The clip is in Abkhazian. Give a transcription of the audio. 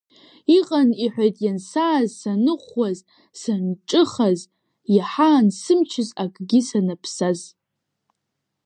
Иҟан, – иҳәеит, иансааз саныӷәӷәаз, санҿыхаз, иаҳа ансымчыз, акгьы санаԥсаз.